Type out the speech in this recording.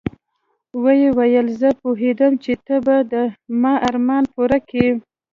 ويې ويل زه پوهېدم چې ته به د ما ارمان پوره کيې.